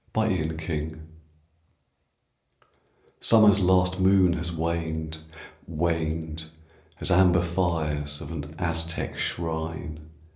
BEFORE AUTUMN Summer's last moon has waned Waned As amber fires Of an Aztec shrine.